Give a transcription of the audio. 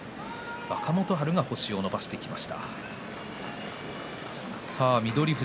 若元春が星を伸ばしました。